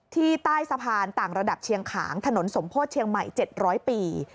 ใต้สะพานต่างระดับเชียงขางถนนสมโพธิเชียงใหม่๗๐๐ปี